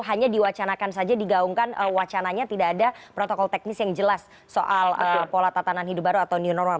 hanya diwacanakan saja digaungkan wacananya tidak ada protokol teknis yang jelas soal pola tatanan hidup baru atau new normal